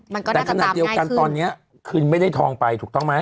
มันก็น่าจะตามง่ายขึ้นแต่ขณะเดียวกันตอนเนี้ยคือไม่ได้ทองไปถูกต้องไหม